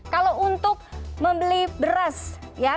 kalau untuk membeli beras ya